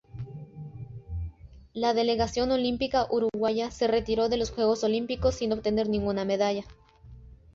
La delegación olímpica uruguaya se retiró de los Juegos Olímpicos sin obtener ninguna medalla.